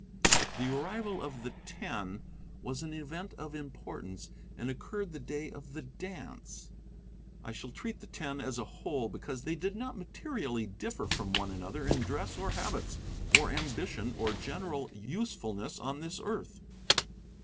The arrival of the Ten was an event of importance, and occurred the day of the dance. I shall treat the Ten as a whole because they did not materially differ from one another in dress or habits or ambition or general usefulness on this earth.